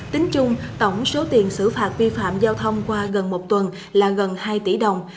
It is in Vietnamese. tính chung tổng số tiền xử phạt vi phạm giao thông qua gần một tuần là gần hai tỷ đồng